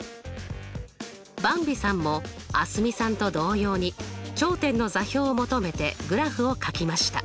ばんびさんも蒼澄さんと同様に頂点の座標を求めてグラフをかきました。